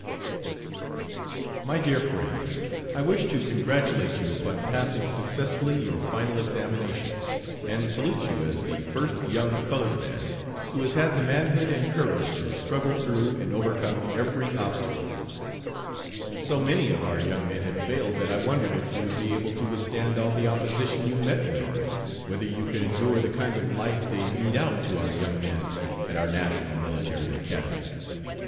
MY DEAR FRIEND: I wish to congratulate you upon passing successfully your final examination, and salute you as the first young colored man who has had the manhood and courage to struggle through and overcome every obstacle. So many of our young men had failed that I wondered if you would be able to withstand all the opposition you met with, whether you could endure the kind of life they mete out to our young men at our national Military Academy.